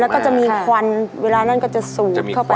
แล้วก็จะมีควันเวลานั้นก็จะสูบเข้าไป